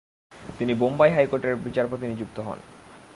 তিনি বোম্বাই হাইকোর্টের বিচারপতি নিযুক্ত হন।